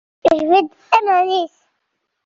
Ijbed iman-is.